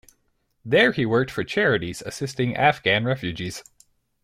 There he worked for charities assisting Afghan refugees.